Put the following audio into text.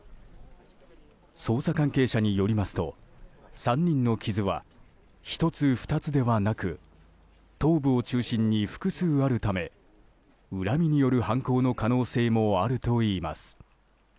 捜査関係者によりますと３人の傷は１つ２つではなく頭部を中心に複数あるため恨みによる犯行の可能性もあるといいます。